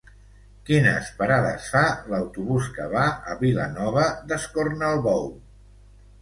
Quines parades fa l'autobús que va a Vilanova d'Escornalbou?